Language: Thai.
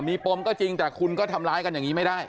มีปมก็จริงแต่คุณก็ทำร้ายกันอย่างนี้ไม่ได้